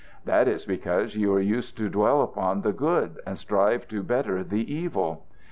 "That is because you are used to dwell upon the good, and strive to better the evil.